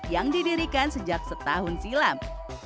yang didirikan sejak setahun silam